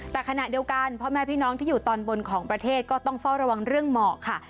แต่ขณะเดียวกันพ่อแม่พี่น้องที่อยู่ตอนบนของประเทศก็ต้องเฝ้าระวังเรื่องหมอกค่ะ